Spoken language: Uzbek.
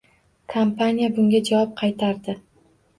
Kompaniya bunga javob qaytardi